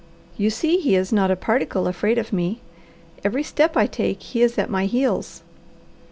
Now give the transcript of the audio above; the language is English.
You see he is not a particle afraid of me. Every step I take, he is at my heels."